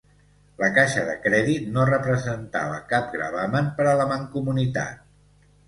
La Caixa de Crèdit no representava cap gravamen per a la Mancomunitat.